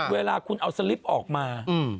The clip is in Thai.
เวลาคุณเอาสลิปออกมา